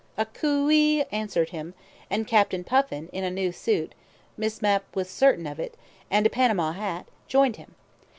A "Coo ee" answered him, and Captain Puffin, in a new suit (Miss Mapp was certain of it) and a Panama hat, joined him.